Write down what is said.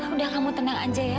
udah kamu tenang aja ya